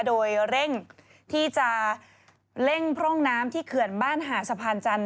โดยเร่งที่จะเร่งพร่องน้ำที่เขื่อนบ้านหาดสะพานจันท